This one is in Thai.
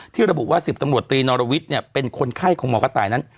ที่ระบุว่าสิบตำรวจตีนรวิทเนี่ยเป็นคนไข้ของหมอกตายนั้น